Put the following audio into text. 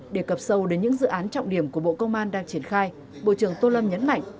để cập sâu đến những dự án trọng điểm của bộ công an đang triển khai bộ trưởng tô lâm nhấn mạnh